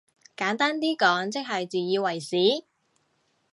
簡單啲講即係自以為是？